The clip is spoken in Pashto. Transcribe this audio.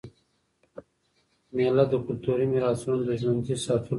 مېله د کلتوري میراثونو د ژوندي ساتلو ځای دئ.